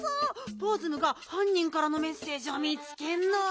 ポーズムがはんにんからのメッセージを見つけんの。